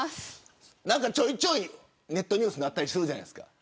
ちょいちょいネットニュースになったりするじゃないですか。